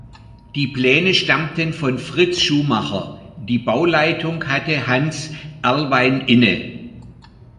Die Pläne stammten von Fritz Schumacher, die Bauleitung hatte Hans Erlwein inne.